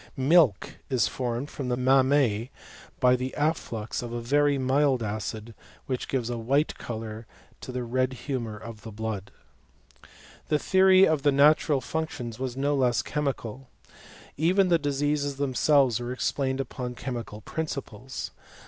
Milk is formed in the mammse by the afflux of a very mild acid, which gives a white colour to the red humour of the blood. The theory of the natural functions was no less chemical. Even the diseases themselves were ex plained upon chemical principles.